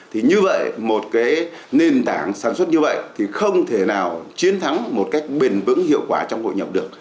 thì như vậy một cái nền tảng sản xuất như vậy thì không thể nào chiến thắng một cách bền vững hiệu quả trong hội nhập được